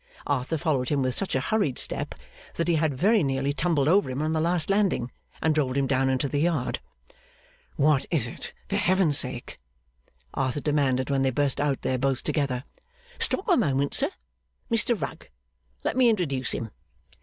Arthur followed him with such a hurried step, that he had very nearly tumbled over him on the last landing, and rolled him down into the yard. 'What is it, for Heaven's sake!' Arthur demanded, when they burst out there both together. 'Stop a moment, sir. Mr Rugg. Let me introduce him.